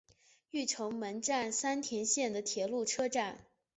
御成门站三田线的铁路车站。